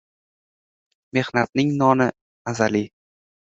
Mehnatning noni — mazali